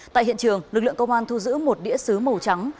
tại hiện trường lực lượng công an thu giữ một đĩa xứ màu trắng